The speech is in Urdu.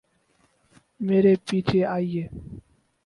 میرے پیچھے آییے